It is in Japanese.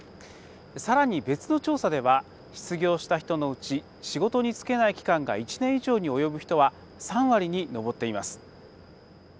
さらに別の調査では失業した人のうち仕事に就けない期間が１年以上に及ぶ人は３割に上っています。